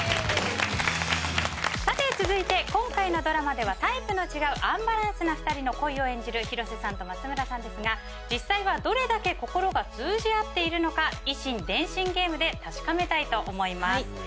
さて続いて今回のドラマではタイプの違うアンバランスな２人の恋を演じる広瀬さんと松村さんですが実際はどれだけ心が通じ合っているのか以心伝心ゲームで確かめたいと思います。